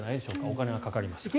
お金はかかりますが。